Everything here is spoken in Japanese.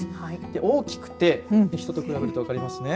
大きくて人と比べると分かりますね。